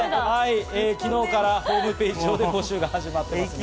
昨日からホームページ上で募集が始まりました。